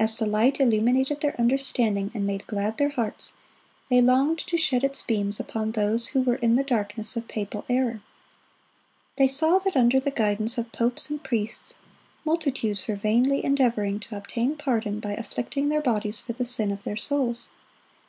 As the light illuminated their understanding and made glad their hearts, they longed to shed its beams upon those who were in the darkness of papal error. They saw that under the guidance of pope and priests, multitudes were vainly endeavoring to obtain pardon by afflicting their bodies for the sin of their souls.